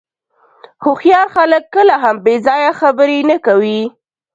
هوښیار خلک کله هم بې ځایه خبرې نه کوي.